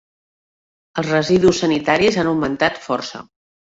Els residus sanitaris han augmentat força.